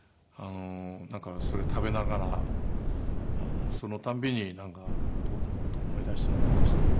それ食べながらその度に徹の事を思い出したりなんかして。